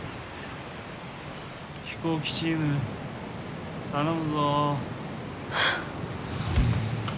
飛行機チーム頼むぞー。